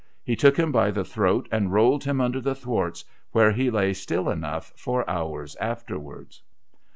He took him by the throat and rolled him under the thwarts, where he lay still enough for hours afterwards.